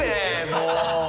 もう！